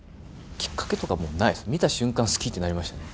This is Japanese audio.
きっかけとかもうないです、見た瞬間好きってなりましたね。